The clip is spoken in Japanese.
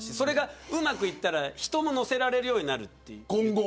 うまくいったら、今後人も乗せられるようになると。